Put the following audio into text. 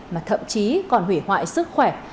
mà thậm chí còn hủy hoại sức khỏe